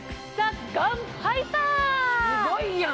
すごいやん。